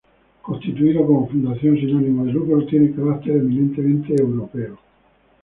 Constituido como fundación sin ánimo de lucro, tiene carácter eminentemente europeo.